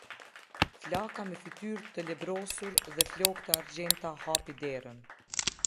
Flaka me fytyrë të lebrosur dhe flokë të argjendta hapi derën.